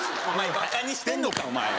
バカにしてんのかお前は！